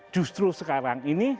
justru sekarang ini